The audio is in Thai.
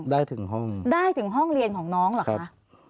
ได้ถึงห้องได้ถึงห้องเรียนของน้องเหรอคะ